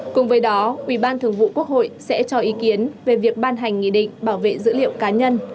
cùng với đó ủy ban thường vụ quốc hội sẽ cho ý kiến về việc ban hành nghị định bảo vệ dữ liệu cá nhân